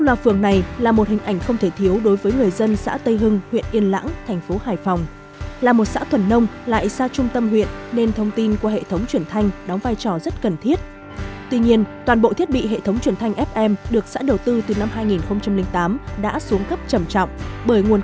đến nay hệ thống truyền thanh kỹ thuật số tại xã tây hưng đã hoàn thành và đi vào hoạt động